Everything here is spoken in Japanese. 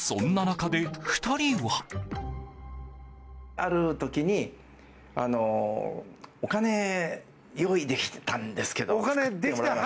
ある時にお金が用意できたんですけどと。